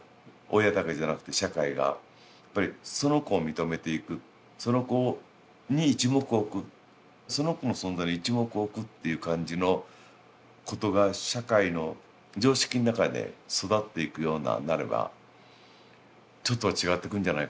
その子を認めていくその子に一目置くその子の存在に一目置くっていう感じのことが社会の常識の中で育っていくようななればちょっとは違ってくんじゃないかなって